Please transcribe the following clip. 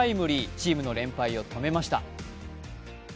チームの連敗を止めました。